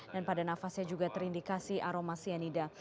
dan pada nafasnya juga terindikasi aroma cyanida